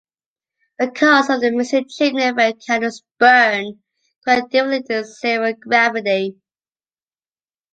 Because of the missing chimney effect candles burn quite differently in zero gravity.